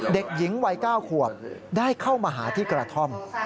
เด็กหญิงวัย๙ขวบได้เข้ามาหาที่กระท่อม